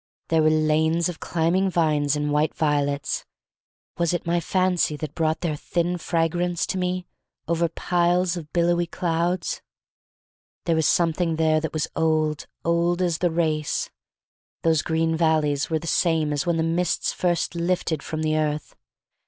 There were lanes of climbing vines and white violets. Was it my fancy that brought their thin fragrance to me over piles of billowy clouds? There was something there that was old — old as the race. Those green valleys were the same as when the mists first lifted from the earth.